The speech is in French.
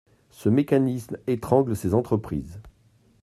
Ce mécanisme étrangle ces entreprises.